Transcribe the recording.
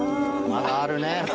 まだあるね。